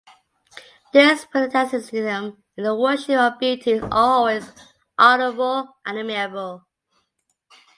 This Puritanism in the worship of beauty is always honourable and amiable.